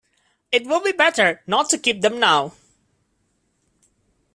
It would be better not to keep them now.